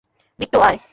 বিট্টো, আয়।